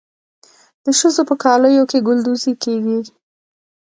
د ښځو په کالیو کې ګلدوزي کیږي.